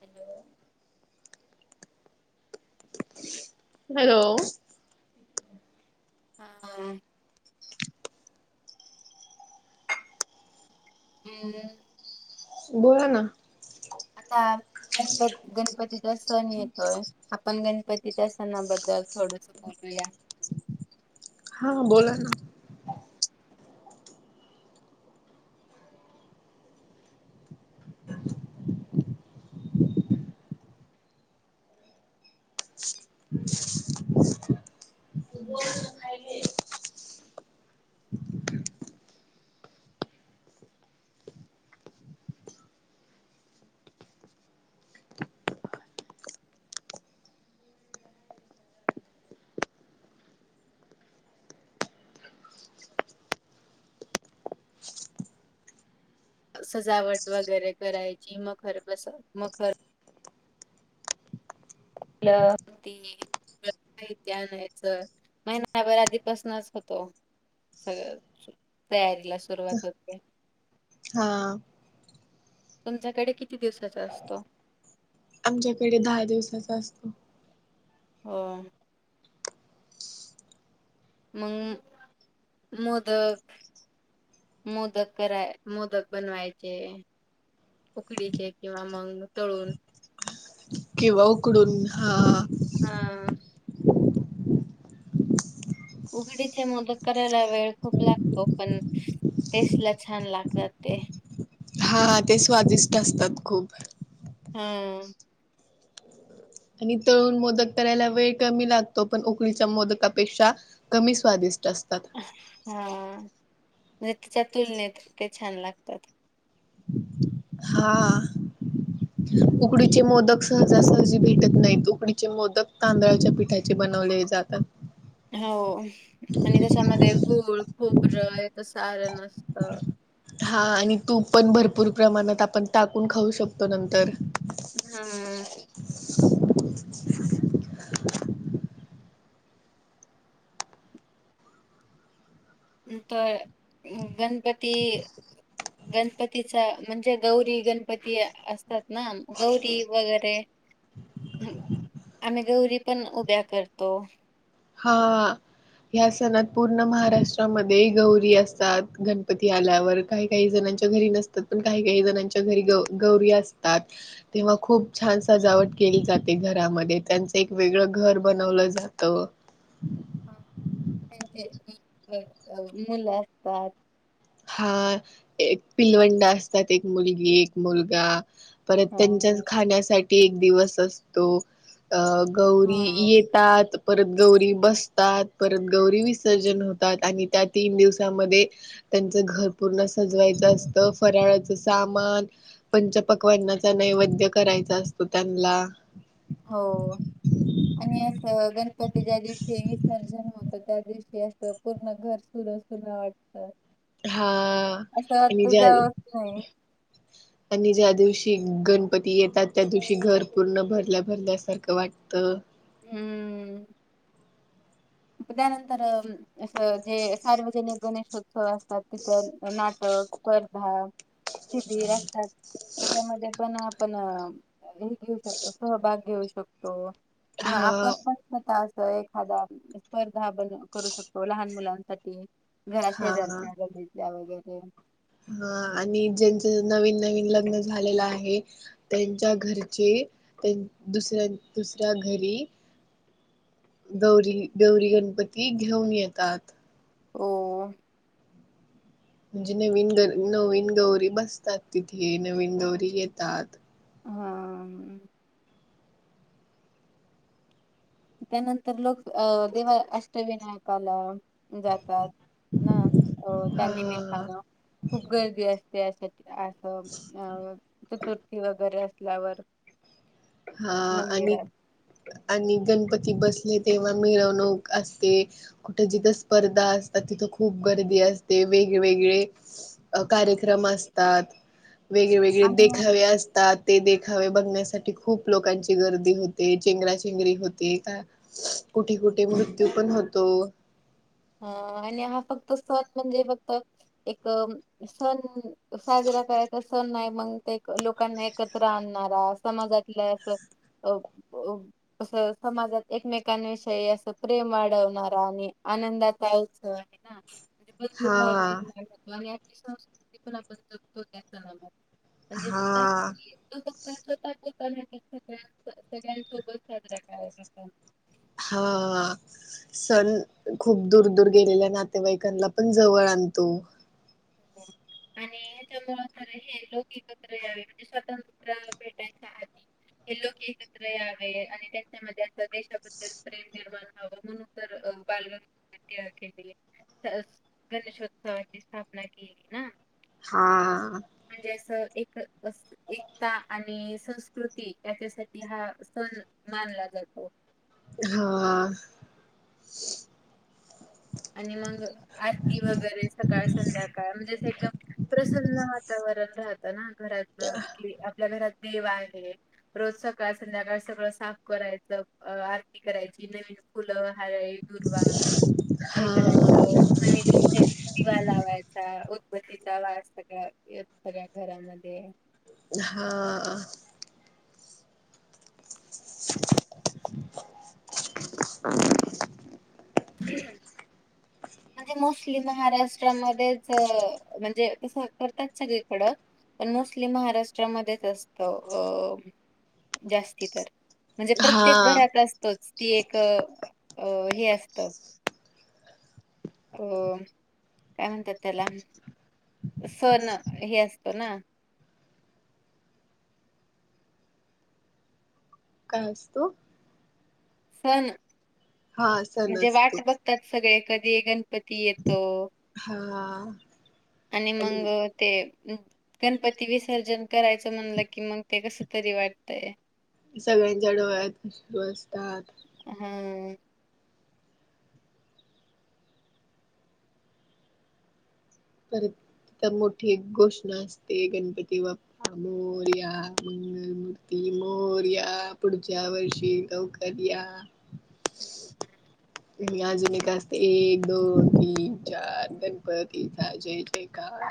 Hello. Hello. हा [unintelligible] आ [unintelligible] बोला ना. आता गण गणपतीचा सण येतोय. आपण गणपतीच्या सणाबद्दल थोडस बोलूया हा बोला ना. सजावट वगैरे करायची मखर कस मखर- ते [unintelligible] महिना भर आधीपासूनच होतो. सगळं तयारीला सुरुवात होते. हा. तुमच्याकडे किती दिवसाचा असतो? आमच्याकडे दहा दिवसाचा असतो. हो. मग मोदक मोदक करायचे मोदक बनवायचे. उकडीचे किंवा मग तळून. किंवा उकडून हा. हा. उघडीचे मोदक करायला वेळ खूप लागतो पण टेस्ट ला छान लागतात ते हा ते स्वादिष्ट असतात खूप हम्म आणि तळून मोदक करायला वेळ कमी लागतो पण उकळीच्या मोदकापेक्षा कमी स्वादिष्ट असतात हा म्हणजे तिच्या तुलनेत का छान लागतात हां उकडीचे मोदक सहजासहजी भेटत नाहीत उकडीचे मोदक तांदळाच्या पिठाचे ब नव जात [unintelligible] हो आणि त्याच्यामध्ये गूळ खोपरं तस सार नसत हा आणि तूप पण भरपूर प्रमाणात आपण टाकून खाऊ शकतो नंतर हा [unintelligible] तर गणपती गणपतीचा म्हणजे गौरी गणपती असतात ना गौरी वगैरे आम्ही गौरी पण उभ्या करतो हा या सणात पूर्ण महाराष्ट्रामध्ये गौरी असतात गणपती आल्यावर काही काही जण काहींच्या घरी नसतात पण काही काही जना च्या घरी गौरी असतात तेव्हा खूप छान सजावट केली जाते घरामध्ये त्यांचं एक वेगळं घर बनवलं जात मुलं असतात हा, एक पिलवंडा असतात एक मुलगी एक मुलगाऽ परत हा त्यांच्य अ,, गौरी हा येतात, परत गौरी बसतात परत गौरी विसर्जन होतात आणि त्या तीन दिवसामध्ये त्यांचं घर पूर्ण सजवायचं असतं, फराळाचं सामान पंच पकवाननाचा नैऽऽ नैवद्य करायचा असतो त्यांनला. हो,,, आणि असं गणपतीच्या दिवशी विसर्जन होतऽ त्या दिवशी अस पूर्ण घर सुन, सुन वाटतं. हा असं आणि वाटत ज्या जावऽच नाही. आणि ज्या दिवशी गणपती येतात त्या दिवशी घर पूर्ण भरल्या भरल्यासारखं वाटतं. हम्म त्यानंतर,, असं जे सार्वजनिकऽ गणेशोत्सव असतात तिथं नाटक, स्पर्धा, शिबिर असं असतात. त्याच्यामध्ये पण आपणऽ हे घेऊ शकतो सहभाग घेऊ शकतो. किंवा हा आपण पण होत असं एखादाऽऽ स्पर्धा ब करू शकतो, लहान मुलांसाठी घरा हा शेजारच्या गलीऽऽ ल्या वगैरे. हा आणि ज्यांच नवीन, नवीन लग्न झालेलं आहे त्यांच्या घरचेऽऽ दुस दुसऱ्या घरीऽ [unintelligible] [unintelligible] गौरी, गौरी गणपती घेऊन येतात. हो म्हणजे नवीन ग नवीन गौरी बसतात तिथे नवीन गौरी येतात. हा, त्यानंतर लोक, अं देवा अष्टविनायकालाऽऽ जातात, ना अ त्यां नीमीतान हा खूप गर्दी असते अशऽ असं अं चतुर्थी वगैरे असल्यावरऽऽ हा आणि, आणि गणपतीऽऽ ती बसले तेव्हा मिरवणूक असते, कुठे जिथं स्पर्धा असतात तिथं खूप गर्दी आऽऽ ते वेगवेगळे कार्यक्रम असतात. वेगळेवेेगळे आणि देखावे असतात, ते देखावे बघण्यासाठी खूप लोकांची गर्दी होते,, चेंगराचेंगरी होते. का कुठे कुठे मृत्यू पण होतो. हां, आणि हा फक्त सण म्हणजे फक्त एक सण साजरा करायचा अस सन नाही मग ते लोकांना एकत्र आणणारा समाजातलं असं अ अस समाजात एकमेकांविषयी अस प्रेम वाढवणारा, आणि आनंदा [unintelligible] [unintelligible] सगळ्यांसोबत हा हा साजरा करायचा सण. हा सण खूप दूर दूर गेलेल्या नातेवाईकांना पण जवळ आणतो. [inaudible] आणि ह्याच्यामुळ हे लोक ऐकत्र यावे, म्हणजे स्वतंत्र भेटायच्या आधी. हे लोक एकत्र यावे आणि त्याच्यामध्ये अस देशाबद्दल प्रेम निर्माण व्हावं. [unintelligible] [unintelligible] हां म्हणजे अस एक, एकता आणि संस्कृती याच्यासाठी हा सन मानला जातो. हा आणि मग आरती वगैरे सकाळ संध्याकाळ म्हणजे असं एकदम तना घरात इ कि आपल्या घरात देव आहे. रोज सकाळ संध्याकाळ सगळं साफ करायच. अ आरती करायची. नवीन फुलं हारळी दुर्वा हे हा. करायचं नवीन दिवा लावायचा उदबत्तीचा वास सगळ येत सगळ्या घरामध्ये. हा [inaudible] [inaudible] [inaudible] म्हणजे मोस्टली महाराष्ट्रामध्येच म्हणजे कसं करतात सगळीकडं. पण मोस्टली महाराष्ट्रामध्येच असत अ जास्ती तर. म्हणजे प्रत्येक हा घरात असतोच ती एक अ हे असत. हो काय म्हणतात त्याला. सण हे असतो ना. काय असतो? ह ना हा सण म्हणजे असतो वाट बघतात सगळे. कधी गणपती येतो. हा आणि मग ते गणपती विसर्जन करायचं म्हणलं कि मग ते कस तरी वाटतयं. सगळ्यांच्या डोळ्यात अश्रू असतात. हम्म करीत तिथ मोठी घोषणा असते. गणपती बाप्पा मोर्या मंगल मूर्ती मोरया. पुढच्या वर्षी गवकर या. [inaudible] आजून एक असत एक दोन तीन चार गणपतीचा हा जय जयकार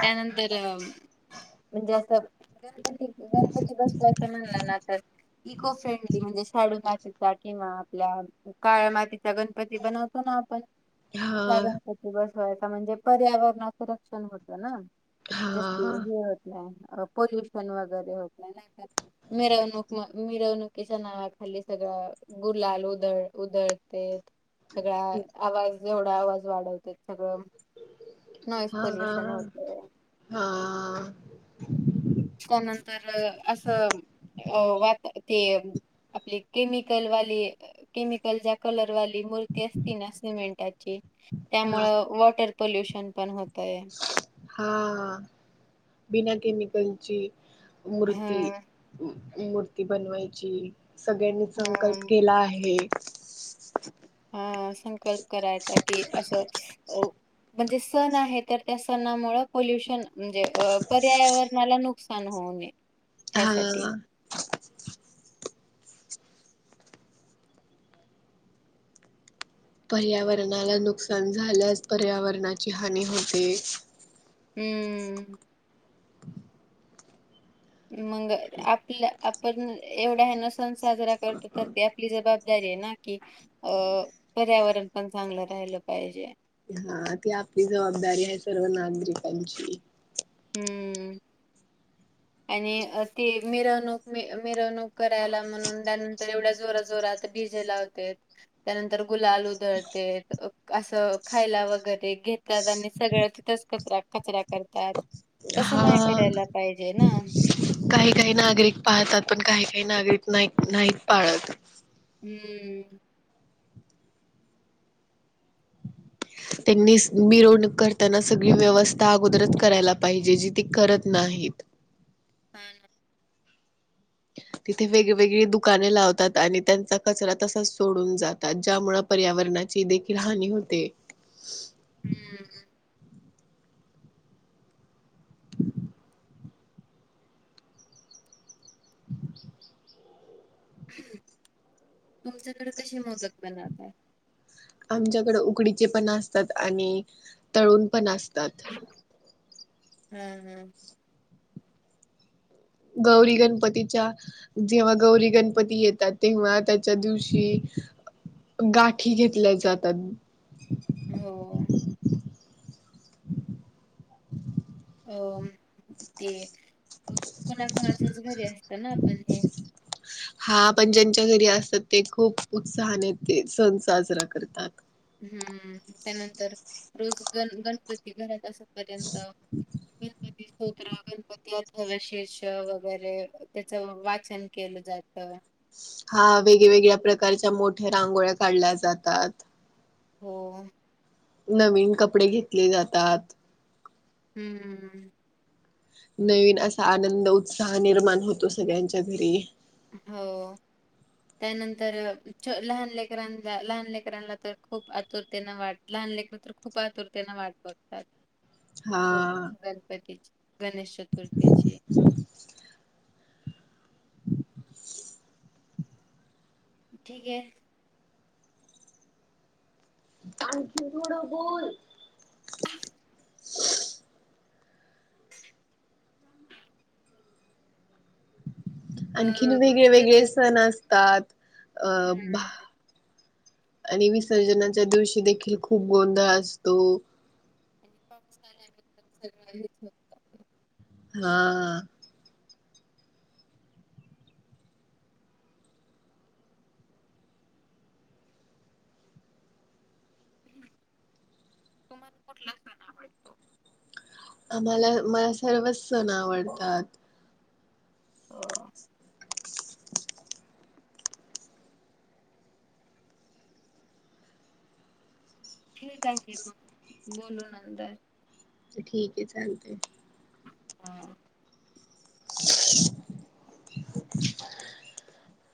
त्यानंतर अ म्हणजे असं गणपती, गणपती बसवायच म्हणलं ना तर इको फ्रेंडली, म्हणजे शाडू मातीचा किंवा आपल्या काळ्या मातीचा गणपती बनवतो ना आपण तसा हा गणपती बसवायचा म्हणजे पर्यावरणाचं रक्षण होत ना. हा जस हे होत नाही. पोल्युशन वगैरे होत नाही नाही काय मिरवणूक मिरवणुकीच्या नावाखाली सगळं गुलाल उधळ उधळते. सगळ आवाज एवढा आवाज वाढवते सगळं नॉइस पोल्युशन. हा होतय हा त्यानंतर अ, ह [unintelligible] केमिकलवाली, केमिकलच्या कलरवाली मूर्ती असती ना सिमेंटाची. त्यामुळ हा वॉटर पोल्युशन पण होत. हा बिना केमिकलची. मूर्ती हं मूर्ती बनवायची. सगळ्यांनी संकल्प हं केला आहे. हा संकल्प करायचा की असं. म्हणजे सण आहे तर त्या सणामुळे पोल्युशन, म्हणजे अ पर्यावरणाला नुकसान होऊ नय ह्यासाठी हा पर्यावरणाला नुकसान झाल्यास पर्यावरणाची हानी होते. हम्म मंग आपल्या आपण एवढा हे न सण साजरा करतो. तर ते आपली जबाबदारी की अ पर्यावरण पण चांगलं राहिलं पाहिजे. हा ती आपली जबाबदारी आहे सर्व नागरिकांची. हम्म आणि ती मिरवणूक, मिरवणूक करायला म्हणून त्यानंतर एवढ्या जोरा जोरात डीजे लावतेत त्यानंतर गुलाल उधळते अस खायला वगरै घेत त्या आनी सगळ तिथंच कचरा कचरा करतात. तसं नाय हा करायला पाहिजे ना. काही काही नागरिक पाळतात पण काही काही नागरिक नाही नाही पाळत. हम्म. त्यांनी मिरवणूक करताना सगळी व्यवस्था अगोदरच करायला पाहिजे जी ते करत नाहीत. हा ना तिथे वेगवेगळी दुकाने लावतात आणि त्यांचा कचरा तसाच सोडून जातात ज्यामुळे पर्यावरणा ची देखील हानी होते. हम्म. [inaudible] तुमच्याकडे कसे मोदक बनवतात. आमच्याकड उकडीचे पण असतात आणि तळुण पण असतात. हम्म हम्म. गौरी गणपतीच्या जेव्हा गौरी गणपती येतात तेव्हा त्याच्या दिवशी गाठी घेतल्या जातात. हो. अ ते कोणा कोणा चाच घरी असत ना आपण हे. हा पण ज्यांच्या घरी असतात ते खूप उत्साहाने ते सण साजरा करतात. हम्म त्यानंतर रोज गण गणपती घरात अस पर्यंत [unintelligible] गणपती अथर्वशीर्ष वगैरे त्याचं वाचन केलं जात. हा वेगवेेगळ्या प्रकारच्या मोठ्या रांगोळ्या काढल्या जातात. हो. नवीन कपडे घेतले जातात. हम्म हम्म हम्म. नवीन असा आनंद उत्साह निर्माण होतो सगळ्यांच्या घरी. हो. त्यानंतर च लहान लेकरां लहान लेकरांना तर खूप आतुरतेन वाट लेकरं तर खूप आतुरतेना वाट बघतात. हा हो गणपतीची गणेश चतुर्थीची. ठीके. आणखी थोडं बोल. अ आणखीन वेगळे विसर्जन वेगळे सण असतात. अ भा हम्म. आणि विसर्जनाच्या दिवशी देखील खूप गोंधळ असतो. [inaudible] हा. [unintelligible] आम्हाला मला सर्वच सण आवडतात. हो. ठीक हाय की मग बोलू नंतर. ठीके चालतय. हा. [unintelligible]